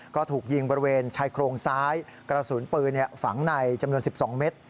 ก็ถูกยิงบริเวณชายโครงซ้ายกระสุนปืนฝังในจำนวน๑๒เมตร